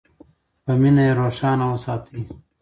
په مینه یې روښانه وساتئ.